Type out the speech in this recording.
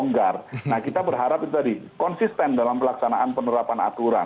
nah kita berharap itu jadi konsisten dalam penerapan aturan